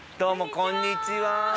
こんにちは